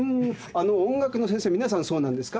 あの音楽の先生皆さんそうなんですか？